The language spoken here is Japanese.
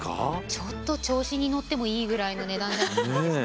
ちょっと調子に乗ってもいいぐらいの値段じゃないですか。